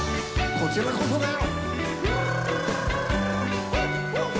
こちらこそだよ！